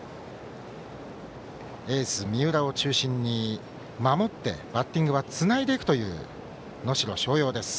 エース、三浦を中心に守ってバッティングはつないでいく能代松陽です。